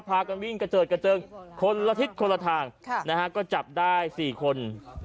พากันวิ่งกระเจิดกระเจิงคนละทิศคนละทางนะฮะก็จับได้๔คน